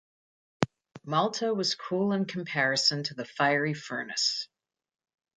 Malta was cool in comparison to the fiery furnace.